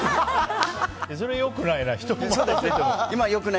それはよくないよな。